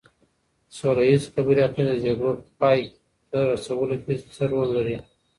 سوله ييزې خبرې اترې د جګړو په پای ته رسولو کي څه رول لري؟